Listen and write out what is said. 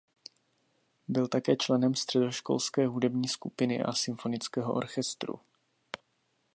Byl také členem středoškolské hudební skupiny a symfonického orchestru.